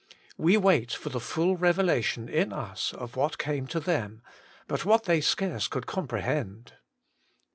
We wait for the full revelation in us of what came to them, but what they scarce could comprehend.